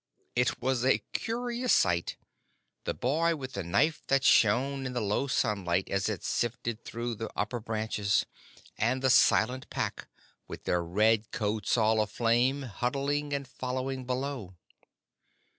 It was a curious sight the boy with the knife that shone in the low sunlight as it shifted through the upper branches, and the silent Pack with their red coats all aflame, huddling and following below.